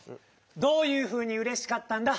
どういうふうにうれしかったんだ？